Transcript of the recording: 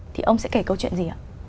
thì ông sẽ kể câu chuyện gì ạ